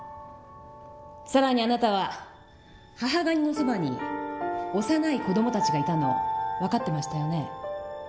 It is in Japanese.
更にあなたは母ガニのそばに幼い子どもたちがいたのを分かってましたよね？